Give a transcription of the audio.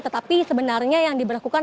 tetapi sebenarnya yang diberlakukan